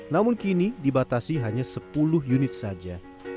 namun kini dibatasi hanya sepuluh unit saja